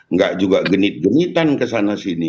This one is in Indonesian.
nggak juga genit genitan ke sana sini